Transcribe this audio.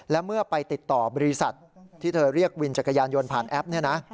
และเมื่อไปติดต่อบริษัทที่เธอเรียกวินจักรยานยนต์ผ่านแอปเนี่ยนะ